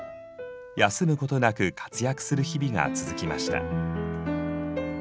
休むことなく活躍する日々が続きました。